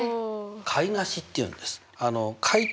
解なしっていうんです。